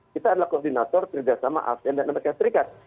kita adalah koordinator terhadap sama asean dan amerika serikat